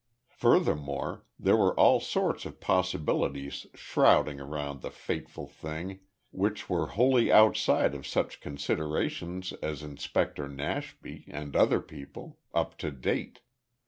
Furthermore, there were all sorts of possibilities shrouding around the fateful thing which were wholly outside of such considerations as Inspector Nashby, and other people up to date.